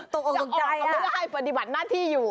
จะออกเขาเพื่อให้ปฏิบัติหน้าที่อยู่